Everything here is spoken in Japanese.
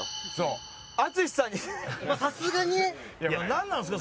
なんなんですか？